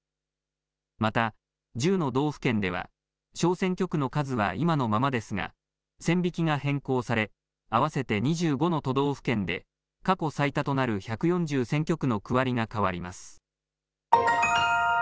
また、１０の道府県では、小選挙区の数は今のままですが、線引きが変更され、合わせて２５の都道府県で、過去最多となる１４０選挙区の区割りが変わります。